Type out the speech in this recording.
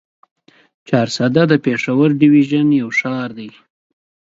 چارسده د پېښور ډويژن يو ښار دی.